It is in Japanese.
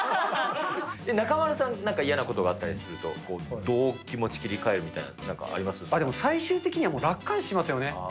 中丸さん、何か嫌なことがあったりすると、どう、気持ち切り替えるみたいな最終的にはもう、がっかりしますよね。